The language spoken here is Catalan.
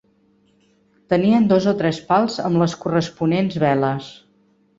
Tenien dos o tres pals amb les corresponents veles.